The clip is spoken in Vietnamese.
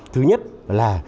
thứ nhất là